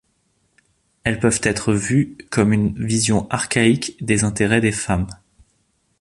Elles peuvent être vues comme une vision archaïque des intérêts des femmes.